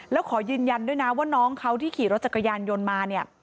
แล้วขอยืนยันด้วยนะว่าน้องเขาที่ขี่รถจักรยานยนต์มาเนี่ย